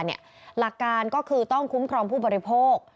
หลักการก็คือต้องคุ้มครองผู้บริโภค